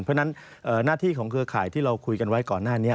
เพราะฉะนั้นหน้าที่ของเครือข่ายที่เราคุยกันไว้ก่อนหน้านี้